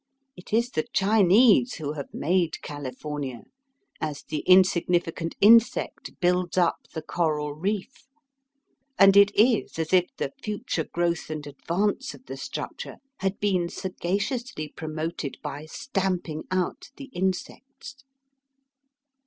It is the Chinese who have made California, as the insignificant insect builds up the coral reef, and it is as if the future growth and advance of the structure had been sagaciously promoted by stamping out the insects.